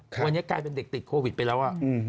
วันนี้กลายเป็นเด็กติดโควิดไปแล้ว